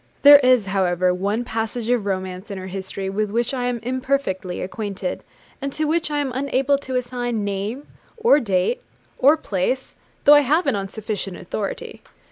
There is, however, one passage of romance in her history with which I am imperfectly acquainted, and to which I am unable to assign name, or date, or place, though I have it on sufficient authority.